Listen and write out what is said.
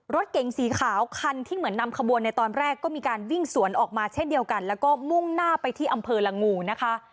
รถเก๋งสีขาวคันที่เหมือนนำขบวนในตอนแรกก็มีการวิ่งสวนออกมาเช่นเดียวกันแล้วก็มุ่งหน้าไปที่อำเภอละงูนะคะ